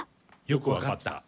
よく分かった。